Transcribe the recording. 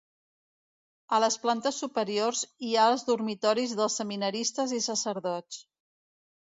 A les plantes superiors hi ha els dormitoris dels seminaristes i sacerdots.